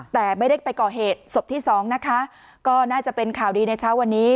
แต่ไม่ได้ไปก่อเหตุศพที่สองนะคะก็น่าจะเป็นข่าวดีในเช้าวันนี้